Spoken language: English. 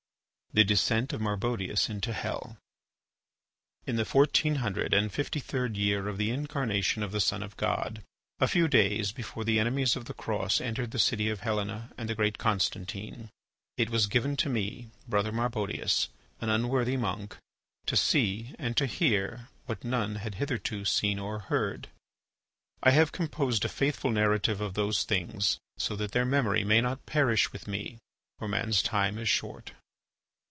THE DESCENT OF MARBODIUS INTO HELL In the fourteen hundred and fifty third year of the incarnation of the Son of God, a few days before the enemies of the Cross entered the city of Helena and the great Constantine, it was given to me, Brother Marbodius, an unworthy monk, to see and to hear what none had hitherto seen or heard. I have composed a faithful narrative of those things so that their memory may not perish with me, for man's time is short.